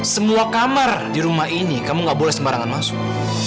semua kamar di rumah ini kamu gak boleh sembarangan masuk